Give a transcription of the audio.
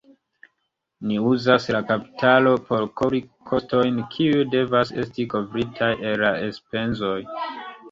Ni uzas la kapitalon por kovri kostojn, kiuj devas esti kovritaj el la enspezoj.